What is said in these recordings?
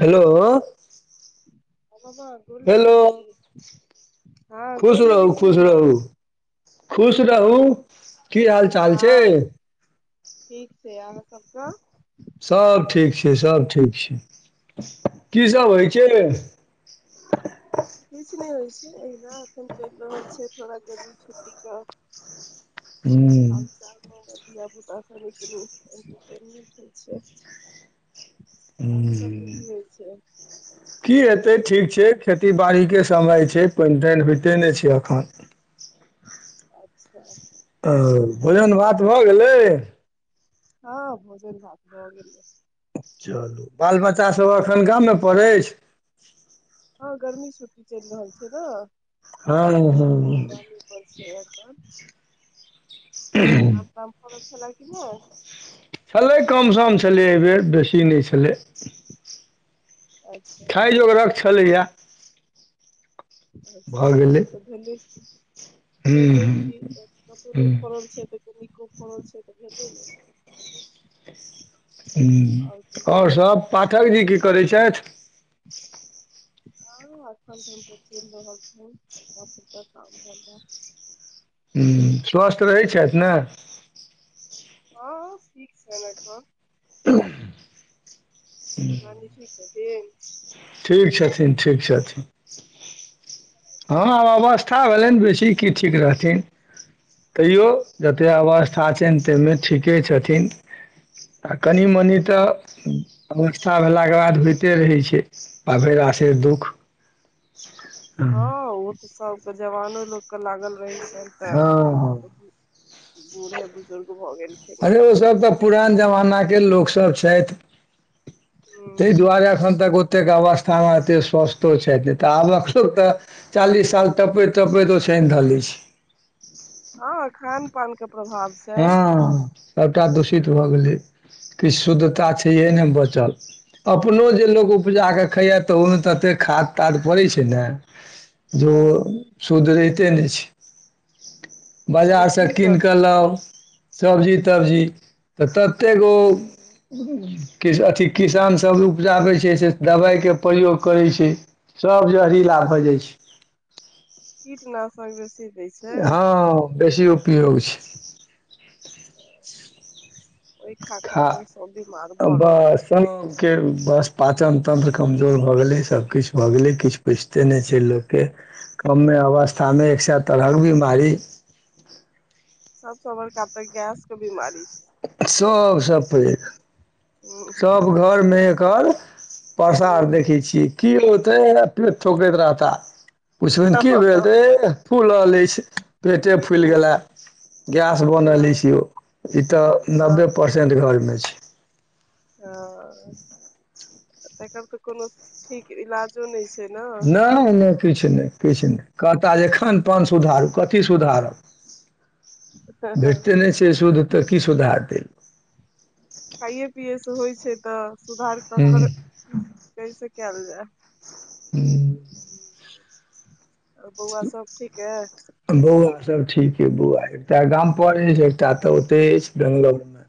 Hello हँ बाबा गोर लगै हेलो छी हँ खुश गोर लगै रहू छी खुश मामा। रहू खुश रहू की हाल-चाल छै हँ ठीक छै अहाँ सबके सभ ठीक छैय, सभ ठीक छैय। की ठीक सब छै होइ आ छैय मम्मी रे? किछु नहि होइ छैय अहिना अखन चलि रहल छैय थोड़ा गर्मी छुट्टीे कऽ हुँ हाल-चाल तऽ हमर धिया-पूता सबकेँ इन्टरटेनमेंट होइ छैय। हूँ की होइ छैय। की हेतै ठीक छैय खेती-बाड़ीके समय छैय पानि-तानि होइते नहि छैय एखन। [inaudible] अच्छा ओ आम ताम फड़ल भोजन-भात भऽ छलौ। गेलै? हँ भोजन-भात भऽ गेलै। चलू बाल-बच्चा सभ एखन गामे पड़ अछि? हँ गर्मी छुट्टी चलि रहल छैय न हँ हँ आम-ताम फरल छले कि नहि? छलै कम-सम छलै एहि बेेर बेसी नहि छलै। अच्छा खाइ अच्छा जोगरक छलैए। अच्छा तब तऽ भेलै हुँ हुँ कि तत्ते हुँ लेट फरल छै तत्ते निको होइ छै तऽ भेलै न ह्म आओर सभ पाठक जी की करय छथि हँ एखन धरि तऽ चलि रहल छै हल्का-फुल्का काम धंधा ह्म्म स्वस्थ रहै छथि ने हँ ठीक छैन्ह एखन उँह नानी ठीक अइ ठीक छथिन ठीक छथिन हँ आब अवस्था भेलनि बेसी की ठीक रहथिन तैयो जते अवस्था छनि ताहिमे ठीके छथिन आ कनि मनि तऽ अवस्था भेलाके बाद होइते रहैत छै ताधरि आ से दुःख हँ ओ तऽ सभके जवानो लोककेँ लागल रहै छनि तऽ हँ ओ तऽ बूढ़े बुजुर्ग भऽ गेलखिन ह अरे ओसभ तऽ पुरान जमानाके लोकसभ छथि तय दुआरे अखन तक ओ एतेक अवस्था मे एते स्वस्थो छैथ आब त चालीस साल तपैत तपैत ओछै अइन घ लय छै हँ खान पान के प्रभाव छै हँ सभटा दूषित भऽ हँ गेलै किछु शुद्धता छैइएह ने बचल अपनो जे लोक उपजा कऽ खाय तऽ ओहिमे तऽ एतेक खाद ताद पड़ैत छै ने जो शुद्ध रहिते नहि छै तऽ बाजार सँ की कीनि कर कऽ लाउ सबजी तबजी तऽ ततेक ओ किछ अथि किसानसभ उपजाबै छै से दबाइके प्रयोग करै छै सब जहरीला भ जाय छै कीटनासक बेसी दै छै हँ बेसी उपयोग छै ओइ खा खा कऽ ओ सभ बिमार भऽ रहल अइ के बस पाचन तंत्र कमजोर भऽ गेलै सभकिछु भऽ गेलै किछु पाइचते नइ छै लोक के कमे अइ अवस्थामे एक सै तरहक बीमारी सबस बड़का तऽ गैस के बीमारी छै सभसँ पैघ हूँ हूँ सभ घर मे एकर प्रसार हूँ देखै छियै की होतै पेट ठोकैत रहता पुछबनि हँ की भेल ऐह फूलल अछि पेटे फुलि गेला गैस बनले अछी यो ई तऽ नब्बे परसेंट घर मे छै ह तेकर तऽ कोनो ठीक इलाजो नहि छै ने नइह नइह किछु नइ किछु नइ कहता जे खान पान सुधारू कथी सुधारु भेटते नइ छै शुद्ध तऽ की सुुधारतइ लोक खाइए पियएसँ होइ छै तऽ सुधार हूँ ककर कैसे कयल जाय हू आओर बौआ सब ठीक अइ बौआ सब ठीके बौआ एकटा गाम पर अछि एकटा तऽ ओते अछि बेंगलोर मे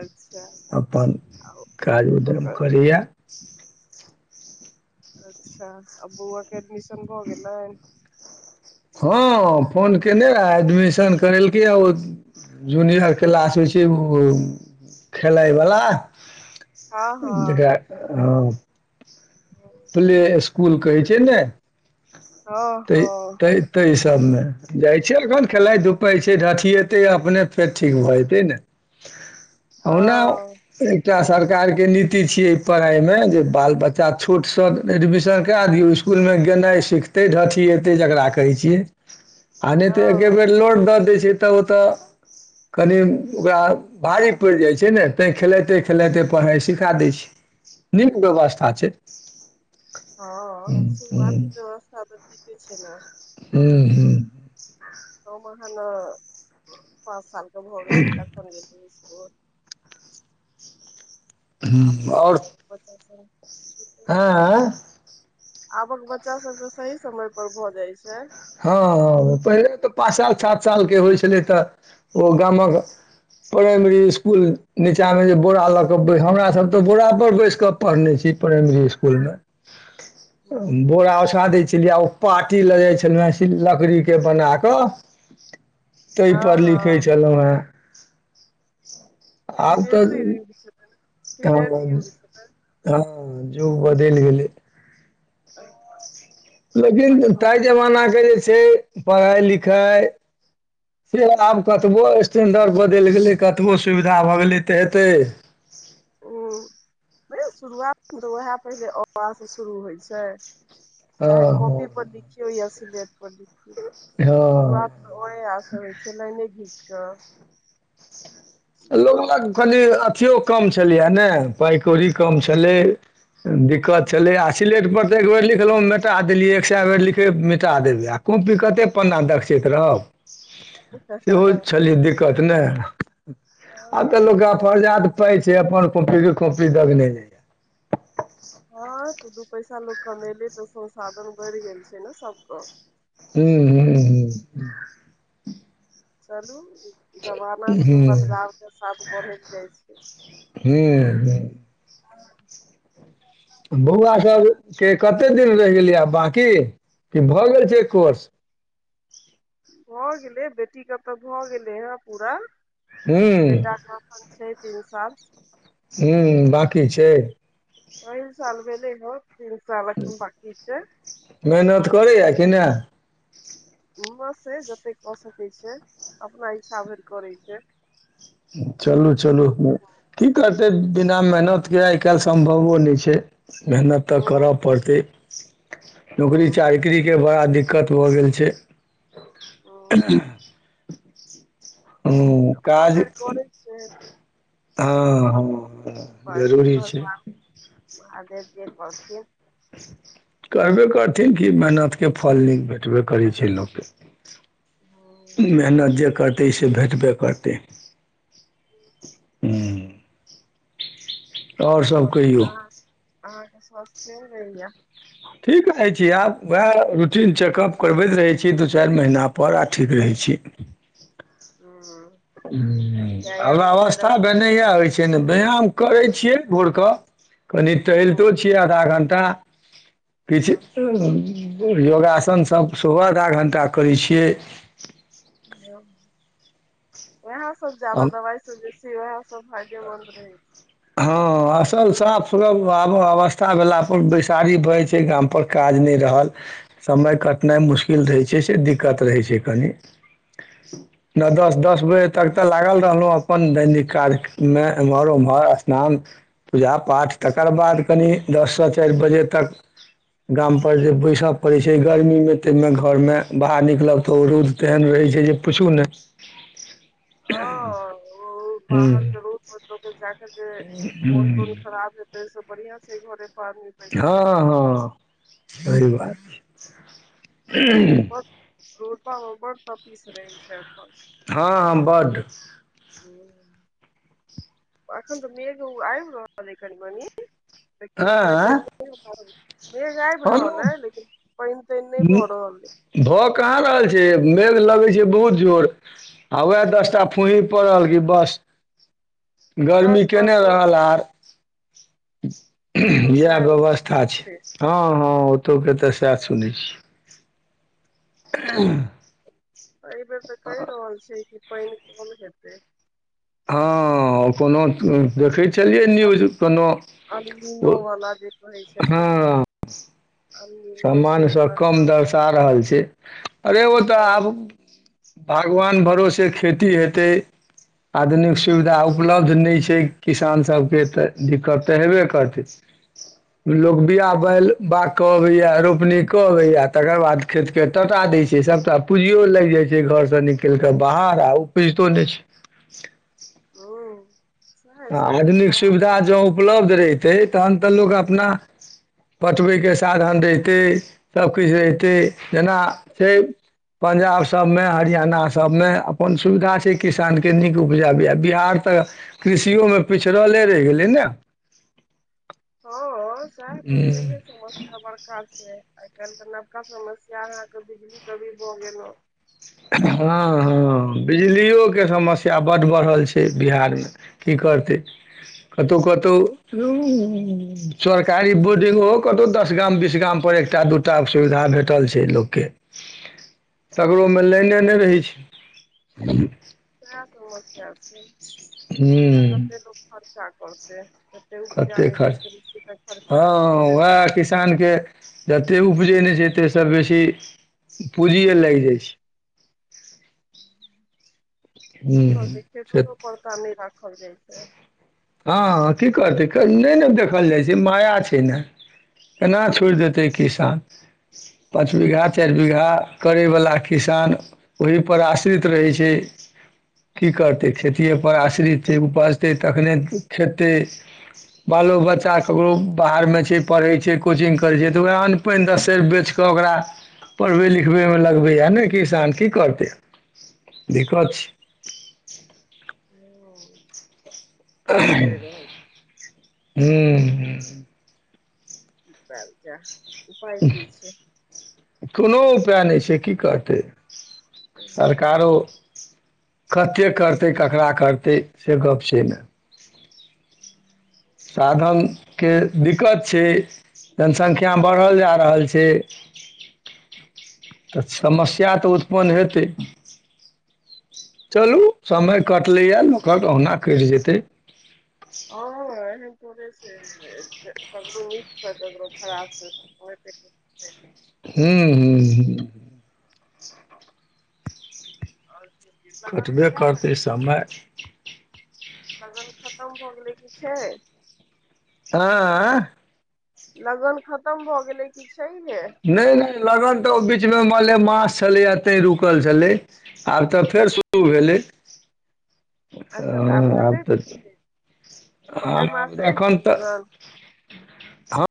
अच्छा अपन आ काज उद्रम ओकर करैया अच्छा आ बौआके एडमिशन भऽ गेलैन हँ फोन केने रहए एडमिशन करेलकै आ ओ जूनियर क्लास होइ छै ओ खेलइ वला हँ हँ जेकरा ह प्ले स्कूल कहै छै न हँ हँ तई सभमे जाइ छै एखन खेलइ धुपै छै ढठएतै अपने फेर ठीक भऽ जेतै न ओना हँ एकटा सर सरकार के नीति छिय पढ़ाई मे जे बाल बच्चा छोटस एडमिशन करा दियौ स्कूल मे गेल गेनाइ सिखतय दाठियेतइ जकरा कहय छियै आ नै त ऐके हँ बेर लोड द दइ छै तऽ ओतऽ कनि ओकरा भारी पइर जाइ छै न तै खेलाइते खेलाइते पढ़ाइ सिखा दै छै नीक व्यवस्था छै हूँ हँ हूँ शुरुआती व्यवस्था तऽ ठीके छै न हू हू मोहन पाँच साल के भऽ गेलियै तखन गेलिय इसकुल आब आओर आब बच्चा सब छूटल जाय हँ छै आबक बच्चा सब के सही समय पर भ जाय छै हँ पहिले तऽ पाँच साल सात सालके होइ छलै तऽ ओ गमक प्राइमरी स्कूल नीचाँ मे जे बोरा लऽ कऽ हमरा सब तऽ बोरा पर बैस कऽ पढ़ने छी प्राइमरी स्कूल मे हूँ, बोरा ओछा दइ छलिये ओ पार्टी ल जाइ छै पेनासिल लकड़ी के बना कऽ तइ हँ पर लिखे हँ छलहु हे [inaudible] [unintelligible] युग छलै ह हँ जूग बदलि गेलै आब लेकिन माइक्रो तइ हूँ, जमाना के जे छै पढ़ाइ लिखाइ से आब कतबो टेंडर बदलि गेलै कतबो सुविधा भऽ गेलै तऽ एतै उँ नइ शुरुआतमे तऽ वैह पहिले अ आ सअ शुरू होइ छै चाहे ह कॉपी पर लिखियौ या सिलेट पर लिखियौ हँ शुरुआत तऽ अ ये आ स होइ छै लाइने घिच कऽ लोक लग कनि अथियो कम छलैए ने पाइ कौड़ी कम छलै दिक्कत छलय आ सिलेट पर त एक बेर लिखलउ मिटा देलियै एक सै बेर लिखलौ मिटा देबै आ कॉपी पर कते पन्ना देकचैत रहब हँ सेहो छलैया दिक्कत न आब तऽ लोक के पहिले से- अफरजाद पाय छै अपन कोपि कोपी दगने जाय यै हँ तऽ दू पैसा लोक कमेले तऽ संसाधन बेर गेल छै न सबकअ हू हू हू हू चलू जमाना छै ह्म बदलाव के साथ बढेत जाइ छै हू हू हू बौआ सब अच्छा के कत कते दिन रहि गेलियै आब बाकी कि भऽ गेल छै कोर्स भऽ गेलै बेटी के तऽ भऽ गेले ह पूरा ह्म बेटा क अखन छै तीन साल हू बाकी छै भेले ह मेहनत करै य कि नै हिम्मत सँ जतेक कऽ सकै छै अपना इच्छा भरि करै छै चलू चलू की करतै बिना मेहनत के आइ काल्हि सम्भवो नइ छै मेहनत तऽ हूँ करय पड़तै हूँ नौकरी चाकरी के बड़ा दिक्कत भऽ गेल छै [inaudible] हूँ हूँ काज हँ हँ हँ, करथिन जरूरी छै भगवान महादेव जे करथिन करबे करथिन की मेहनत के फल निक भेटबे करय छै लोक के मेहनत हूं जे करतइ से भेटबे करतै हूँ आओर कहिऔ आहा आहा के स्वस्थ केहन रहै य ठीक रहैत छी आब वैह रूटीन चेकअप करबैत रहै छी दू चारि महीना पर आ ठीक रहैत छी छी हूं हूँ किछु आब व्यायाम वगैरह अवस्था भेने यैह होय छै छै ने व्यायाम करै छियै भोर क कनि हूं टहलितो छियै आधा घण्टा हूं किछु योगासन सभ सुबह आधा घण्टा करै छियै वेहा सब ज्यदा दवाइ सब बेसी वएह हँ असल साफ ल आब अवस्था भेला पर बैसारी भय जाय छै गाम पर काज नइ रहल समय कटनाइ मुश्किल रहै छै से दिक्कत रहै छै कनि नो दस दस बजे तक तऽ लागल रहलहुँ अपन दैनिक काज मे एम्हर उम्हर असनान पूजा पाठ तकर बाद कनि दस सँ चार बजे तक गाम पर जे बैस पड़े छै गर्मी में त मे घर मे बाहर निकलब तऽ रउद तेहन रहे हाई छ जे पूछू नइ हँ बाहर के रोड मतलब जा [unintelligible] बढ़िया स घर हँ हँ सहि बात [unintelligible] रोड पर रोबर तपीस रहै छै हँ हँ बड्ड हूं एखन तऽ मेघ ओ आबि रहल अ कनि मनी तानि नहि भऽ रहल अइ भअ कहा रहल छै लगै छै बहुत जोर आ वैह हँ दस ता फुहि पड़ल कि बस गर्मी बस बस केने रहल आर एतौ इएह सएह व्यवस्था स्थिति छै हँ हँ ओतौ के तऽ सैह सुनय छियै [unintelligible] एहि बेर तऽ कहि रहल छै कि पानि कम हेतै हँ कोनो देखैत चलै न्यूज अल कोनो अलनीनो वाला जे कहै छै हँ ने अलनीनो छै एहि सामानसँ बेर कम साल दर्शा रहल छै अरे ओ तऽ हँ आब भगवान भरोसे खेती हेतै आधुनिक सुविधा उपलब्ध नइ छै किसान सभके तऽ दिक्कत तऽ हेबे करतै लोग बिआ बैल बाग तनी होइय य रोपनी कऽ अबैय य तकर बाद खेत के टा या दै छै सबटा पूंजियो लागि जाइ छै घर से निकल कऽ बाहर ओ पुजितो नइ छै हूँ सएह स्थिति आधुनिक खराब सुविधा भऽ जँ गेल उपलब्ध रहितै तखन तऽ लोक अपना पटबै के साधन रहितै सब किछ रहितै जेना छै पंजाब सब मे हरियाणा सबमे अपन सुविधा छै किसान के नीक उपजाबैए बिहार त कृषियो मे पिछड़ले रहि गेलै न हँ साह तस ह समस्य बड़का आइ काल्हि तऽ नवका समस्या अहाँके बिजलीके भी भऽ गेलहु हँ हँ बिजलिओ के समस्या बड्ड बढ़ल छै बिहार मे की क करते कतहु कतहु सरकारी बोर्डिंग ओ कतहु दस गाम बीस गाम पर एक टा दू टा के सुविधा भेटल छै लोक के तकरो एमे लाइने नहि रहै छै सैह समस्य छै आ हुँ कते लोक खर्चा करतै तेँ उपजा कते नहि खर्च सकै हँ उएह किसान के जते उपजे नहि छै तयसे बेसी पूँजीए लागि जाइ छै कि करते हुँ खेतो से तऽ तो परता नहि राखल जाइ छै हँ की करतै नहि ने देखल जाइ छै माया छै ने केना छोड़ि हूं देतै किसान पाँच बीघा चार बीघा करय वला किसान ओही पर आश्रित रहै छै की करतै खेति पर आश्रित छै उपजतै तखने खेतै बालो बच्चा ककरो बाहर में छै पढ़ैत छै कोचिंग करैत छै तऽ ओकरा अन्न पानि दस सेर बेचि कऽ ओकरा पढ़बे लिखबे हूं मे लगबे यै ने कि तहन की करते दिक्कत छै ह हू उपाय की छै उपय नहि छै की करतै सरकारो कते करतै ककरा करतै से गप्प छै न साधन के दिक्कत छै जनसंख्या बढ़ल जा रहल छै तऽ समस्या तऽ उत्पन्न हेतै चलू समय कटलैए लोकक औहुना कटि जेतै आंहो आर थोड़े छै ककरो नीकसँ ककरो खराबसँ होते रहय छै हू हू हू लगन कटबे कहिया तक करतै समय लगन खतम भऽ गेलै कि छै ऐं लगन खतम भऽ गेलै कि छैहे नहि नहि लगन तऽ ओयबीच मे मलेमास छलैए तैं रुकल छलै आब तऽ फेर शुरू भेलै अच्छा तऽ हँ आब कते दिन तऽ छै एहि हँ मास आब अछि एखन की तऽ लगन ह